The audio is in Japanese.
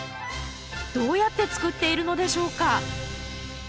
どうやって作っているのでしょうか？